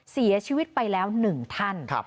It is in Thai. เสียชีวิตไปแล้ว๑ท่าน